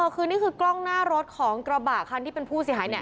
คือนี่คือกล้องหน้ารถของกระบะคันที่เป็นผู้เสียหาย